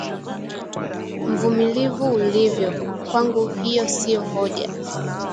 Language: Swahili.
Mvumilivu ulivyo, kwangu hiyo siyo hoja